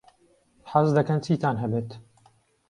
حەز دەکەن چیتان هەبێت؟